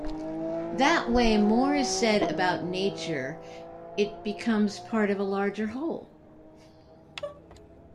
That way more is said about nature-it becomes part of a larger whole.